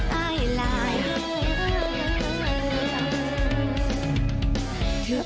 สวัสดีครับ